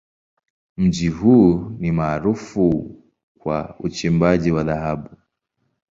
Mji huu ni maarufu kwa uchimbaji wa dhahabu.